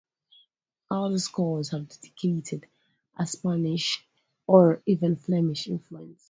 Other scholars have detected a Spanish or even Flemish influence.